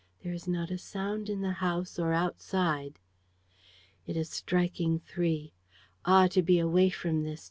There is not a sound in the house or outside. ... "It is striking three. Ah, to be away from this!